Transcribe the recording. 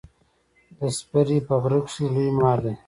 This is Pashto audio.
د سپرې په غره کښي لوی مار و.